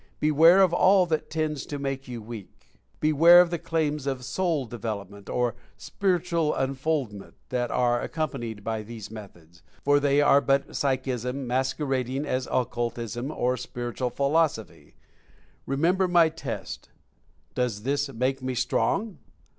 Beware of all that tends to make you Weak. Beware of the claims of "soul development" or "spiritual unfoldment" that are accompanied by these methods, for they are but Psychism masquerading as Occultism or Spiritual Philosophy. Remember my test: "DOES THIS MAKE ME STRONG?"